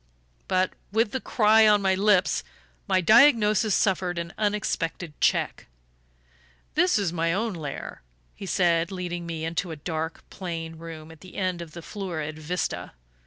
But, with the cry on my lips, my diagnosis suffered an unexpected check. "This is my own lair," he said, leading me into a dark plain room at the end of the florid vista.